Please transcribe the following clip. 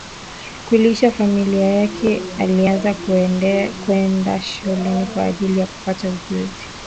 Kulisha familia yake alianza kuenda shuleni kwa ajili ya kupata ujuzi